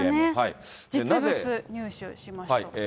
実物、入手しました。